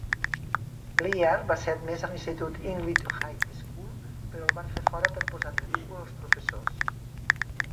Lear va ser admès a l'institut Englewood High School però el fan fer fora per posar en ridícul als professors.